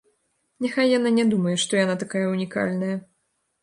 Няхай яна не думае, што яна такая ўнікальная.